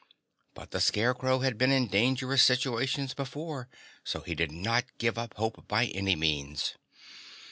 But the Scarecrow had been in dangerous situations before, so he did not give up hope by any means.